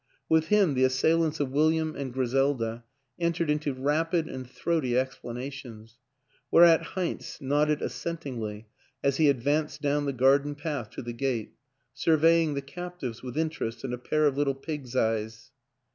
With him the assailants of William and Griselda entered into rapid and throaty explanations; whereat Heinz nodded as sentingly as he advanced down the garden path to the gate, surveying the captives with interest and a pair of little pig's eyes.